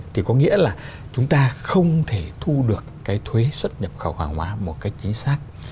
thì có nghĩa là chúng ta không thể thu được cái thuế xuất nhập khẩu hàng hóa một cách chính xác